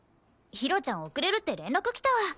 ひろちゃん遅れるって連絡きた。